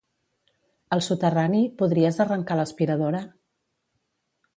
Al soterrani, podries arrencar l'aspiradora?